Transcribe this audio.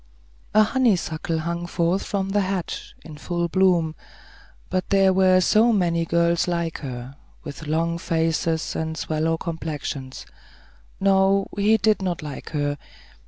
A honeysuckle hung forth from the hedge, in full bloom; but there were so many girls like her, with long faces and sallow complexions. No; he did not like her.